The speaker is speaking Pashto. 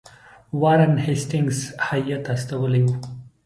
وارن هیسټینګز هیات استولی وو.